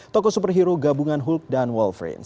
tokoh superhero gabungan hulk dan wolverine